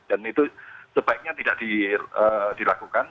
dan itu sebaiknya tidak dilakukan